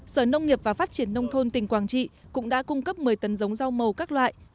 sở nông nghiệp và phát triển nông thôn tỉnh quảng trị cũng đã cung cấp một mươi tấn giống rau màu các loại